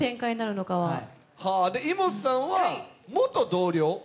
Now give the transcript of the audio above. イモトさんは元同僚？